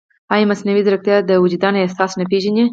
ایا مصنوعي ځیرکتیا د وجدان احساس نه پېژني؟